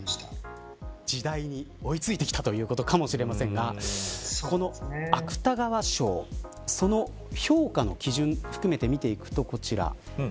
時代に追いついてきたということかもしれませんがこの芥川賞その評価の基準含めて見ていくとこちら。